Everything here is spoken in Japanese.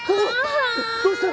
どうしたの！？